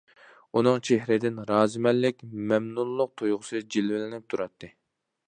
ئۇنىڭ چېھرىدىن رازىمەنلىك، مەمنۇنلۇق تۇيغۇسى جىلۋىلىنىپ تۇراتتى.